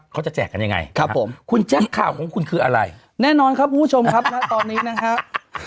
แจกกันยังไงครับผมคุณแจ้งข่าวของคุณคืออะไรแน่นอนครับคุณผู้ชมครับณตอนนี้นะครับ